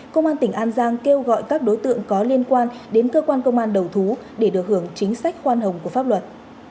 công an tỉnh an giang kêu gọi các đối tượng có liên quan đến cơ quan công an đầu thú để được hưởng chính sách khoan hồng của pháp luật